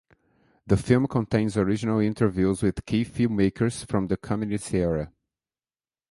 The film contains original interviews with key filmmakers from the communist era.